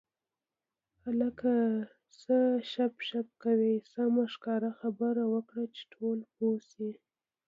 هلکه څه شپ شپ کوې سمه ښکاره خبره وکړه چې ټول پوه شي.